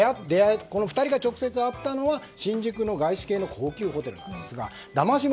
この２人が直接会ったのは新宿の外資系の高級ホテルなんですがだまし